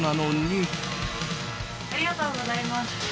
ありがとうございます。